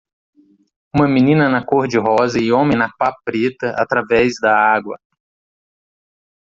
Uma menina na cor-de-rosa e homem na pá preta através da água.